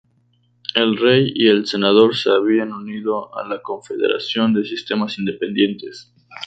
El rey y el senador se habían unido a la Confederación de Sistemas Independientes.